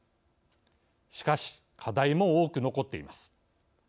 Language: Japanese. しかし、課題も多く残っています。